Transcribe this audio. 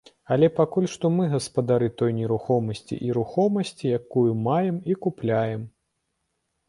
Але пакуль што мы гаспадары той нерухомасці і рухомасці, якую маем і купляем.